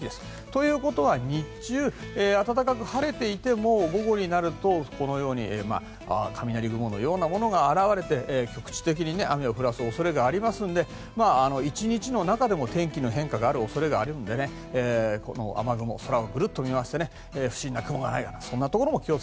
ということは日中暖かく晴れていても午後になると雷雲のようなものが現れて、局地的に雨を降らせる恐れがありますので１日の中でも天気の変化がある恐れがあるので雨雲、空をぐるっと見回して不審な雲があるところもあると。